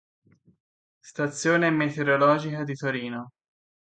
Stazione meteorologica di Torino